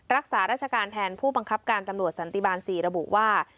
รักษาราชการแทนผู้บังคับการตำรวจสันติบาล๔ระบุว่า